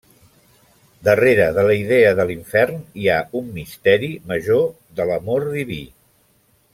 Darrere de la idea de l'infern hi ha un misteri major de l'amor diví.